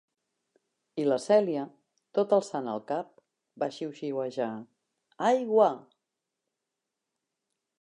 I la Celia, tot alçant el cap, va xiuxiuejar: "Aigua!".